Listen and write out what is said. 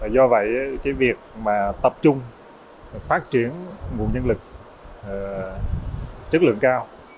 do vậy cái việc mà tập trung phát triển nguồn nhân lực chất lượng cao